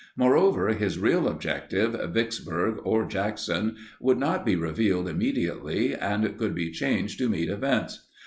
Moreover, his real objective—Vicksburg or Jackson—would not be revealed immediately and could be changed to meet events.